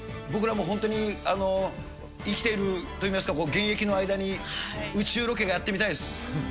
僕らも本当に、生きているといいますか、現役の間に宇宙ロケがやってみたいです。